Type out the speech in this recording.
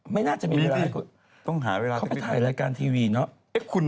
ไม่น่าจะมีเวลาให้คุณเขาไปทายรายการทีวีเนอะต้องหาเวลาถึง